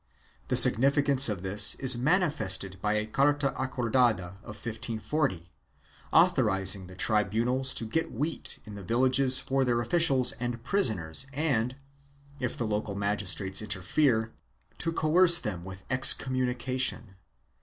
1 The sig nificance of this is manifested by a carta acordada of 1540, author izing the tribunals to get wheat in the villages for their officials and prisoners and, if the local magistrates interfere, to coerce them with excommunication.